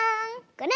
これ！